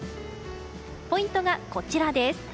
ポイントがこちらです。